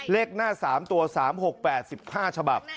เลขหน้า๓ตัว๓๖๘๕ฉบับ